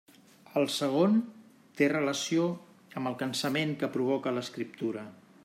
El segon, té relació amb el cansament que provoca l'escriptura.